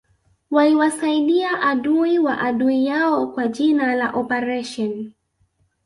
waliwasaidia adui wa adui yao kwa jina la oparesheni